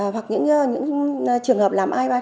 hoặc những trường hợp làm ivf